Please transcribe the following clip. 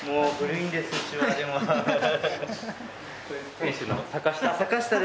店主の坂下さん。